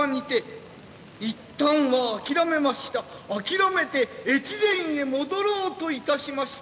諦めて越前へ戻ろうといたしました。